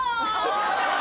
お！